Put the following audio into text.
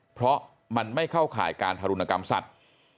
เพราะมันไม่เข้าข่ายการทารุณกรรมสัตว์